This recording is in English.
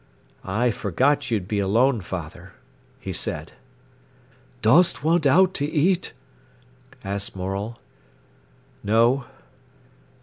"I forgot you'd be alone, father," he said. "Dost want owt to eat?" asked Morel. "No."